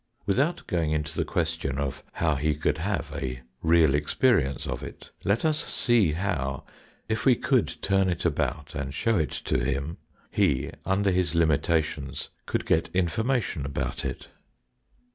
Without going into the question of how he could have a real experience of it, let us see how, if we could turn it about and show it to him, he, under his limitations, could get information about it.